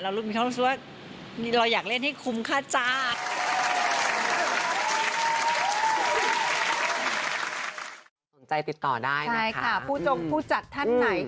มีความรู้สึกว่าเราอยากเล่นให้คุ้มค่าจ้า